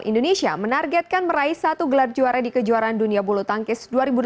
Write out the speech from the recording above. indonesia menargetkan meraih satu gelar juara di kejuaraan dunia bulu tangkis dua ribu delapan belas